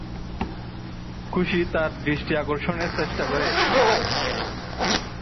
খুশি তার দৃষ্টি আকর্ষণের চেষ্টা করে।